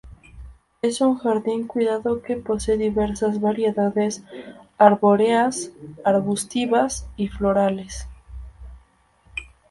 Es un jardín cuidado que posee diversas variedades arbóreas, arbustivas y florales.